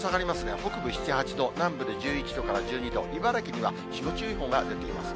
北部７、８度、南部で１１度から１２度、茨城には霜注意報が出ています。